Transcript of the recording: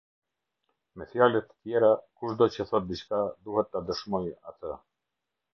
Me fjalë të tjera, kushdo që thotë diçka duhet ta dëshmojë atë.